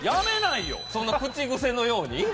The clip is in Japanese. そんな口癖のように？